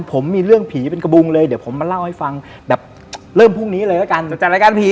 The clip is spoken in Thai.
ผมมีเรื่องผีเป็นกระบวงเลยเดี๋ยวผมมาเล่าให้ฟังแบบเริ่มพรุ่งนี้เลยเหลือกัน